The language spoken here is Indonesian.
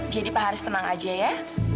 jadi pak haris tenang aja ya